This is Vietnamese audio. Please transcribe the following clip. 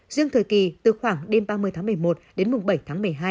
riêng thời kỳ từ khoảng đêm ba mươi tháng một mươi một đến mùng bảy tháng một mươi hai